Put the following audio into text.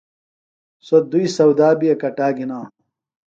سوۡ دُئی سودا بیۡ اکٹا گِھنانوۡ۔